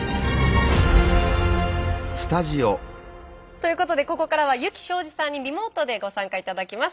ということでここからは湯木尚二さんにリモートでご参加頂きます。